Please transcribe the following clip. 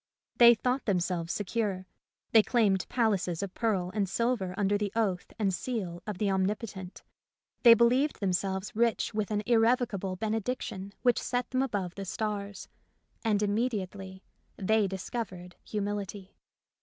They thought themselves secure ; they claimed palaces of pearl and silver under the oath and seal of the Omnipotent; they believed them selves rich with an irrevocable benediction which set them above the stars ; and im mediately they discovered humility.